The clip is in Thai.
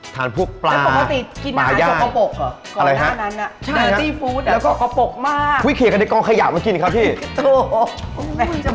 ทานพวกปลาปลาย่างแล้วปกติกินอาหารกระปกเหรอ